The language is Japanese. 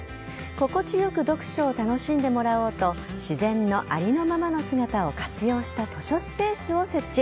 心地よく読書を楽しんでもらおうと自然のありのままの姿を活用した図書スペースを設置。